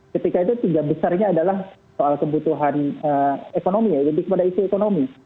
ketika itu tiga besarnya adalah soal kebutuhan ekonomi ya lebih kepada isu ekonomi